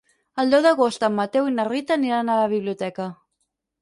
El deu d'agost en Mateu i na Rita aniran a la biblioteca.